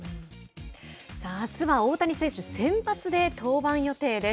さあ、あすは大谷選手先発で登板予定です。